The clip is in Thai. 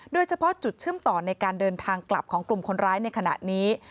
โดยเฉพาะจุดเชื่อมต่อในการเดินทางกลับของกลุ่มคนร้ายในขณะนี้